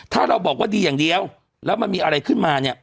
ถ้าเราบอกว่าดีอย่างเดียวแล้วมันมีอะไรขึ้นมาเนี่ย